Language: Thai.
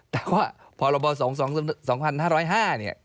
แต่ว่าพรบ๒๕๐๕เนี่ย